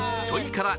ちょい辛